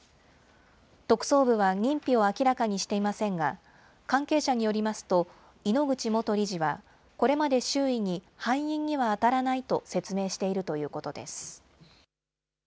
特捜部は認否を明らかにしていませんが、関係者によりますと、井ノ口元理事は、これまで周囲に、背任には当たらないと説明しているということです。